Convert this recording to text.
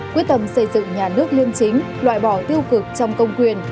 quyết tâm xây dựng nhà nước liêm chính loại bỏ tiêu cực trong công quyền